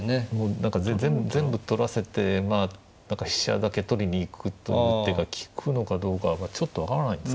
何か全部取らせて飛車だけ取りに行くという手が利くのかどうかちょっと分からないんですけどね。